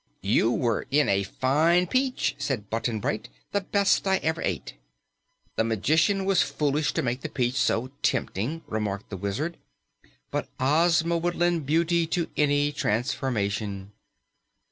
"You were in a fine peach," said Button Bright, "the best I ever ate." "The magician was foolish to make the peach so tempting," remarked the Wizard, "but Ozma would lend beauty to any transformation."